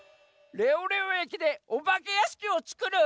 レオレオ駅でおばけやしきをつくる！？